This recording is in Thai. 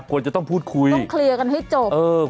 ควรจะต้องพูดคุยต้องเคลียร์กันให้จบ